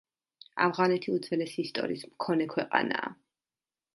ავღანეთი უძველესი ისტორიის მქონე ქვეყანაა.